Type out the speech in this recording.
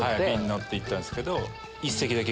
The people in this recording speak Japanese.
乗っていったんすけど。